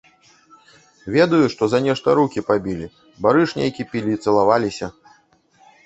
Ведаю, што за нешта рукі пабілі, барыш нейкі пілі, цалаваліся.